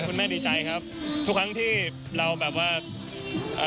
คุณแม่ดีใจครับทุกครั้งที่เราแบบว่าอ่า